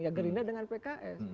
ya gerindra dengan pks